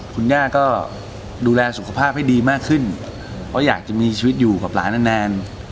คุณย่าก็ดูแลสุขภาพให้ดีมากขึ้นเพราะอยากจะมีชีวิตอยู่กับหลานนาน